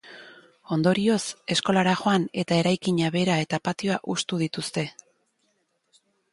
Ondorioz, eskolara joan eta eraikina bera eta patioa hustu dituzte.